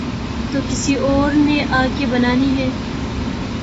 تو کسی اور نے آ کے بنانی ہیں۔